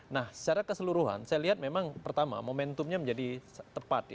nah secara keseluruhan saya lihat memang pertama momentumnya menjadi tepat